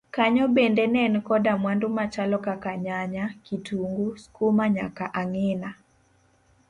kanyo bende ne en koda mwandu machalo kaka nyanya, kitungu, skuma nyaka ang'ina.